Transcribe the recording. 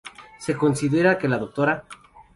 Se considera que la Dra.